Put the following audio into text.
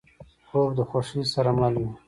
خوب د خوښۍ سره مل وي